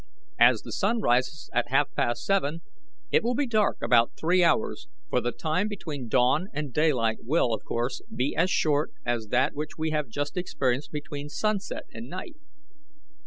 As the sun rises at half past seven, it will be dark about three hours, for the time between dawn and daylight will, of course, be as short as that we have just experienced between sunset and night."